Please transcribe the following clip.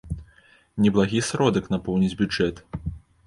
Неблагі сродак напоўніць бюджэт!